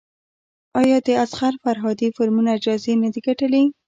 آیا د اصغر فرهادي فلمونه جایزې نه دي ګټلي؟